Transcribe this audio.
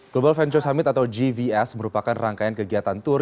global venture summit atau gvs merupakan rangkaian kegiatan tour